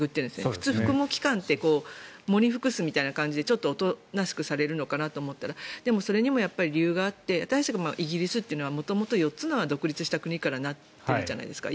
普通、服喪期間って喪に服すみたいな感じでちょっとおとなしくされるのかと思ったらそれにも理由があってイギリスっていうのは元々４つの独立した国から成っているじゃないですか。